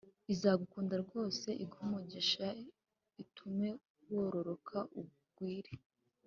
izagukunda rwose iguhe umugisha, itume wororoka ugwire,